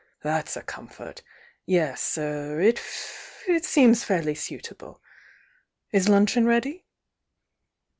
That's a comfort! Yes— er — it seems fairly suitable. Is luncheon ready?"